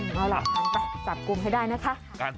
เอาล่ะจัดกรุมให้ได้นะคะ